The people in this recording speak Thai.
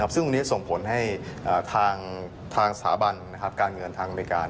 ซึ่งวันนี้ส่งผลให้ทางสถาบันการเงินทางอเมริกา